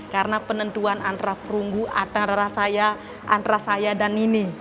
karena penentuan antara perunggu antara saya antara saya dan ini